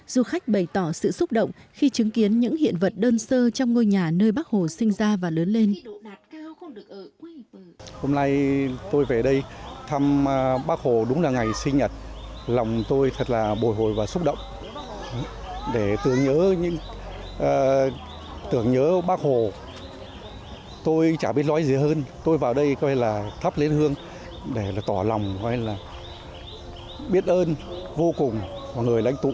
du khách bày tỏ sự xúc động khi chứng kiến những hiện vật đơn sơ trong ngôi nhà nơi bác hồ sinh ra và lớn lên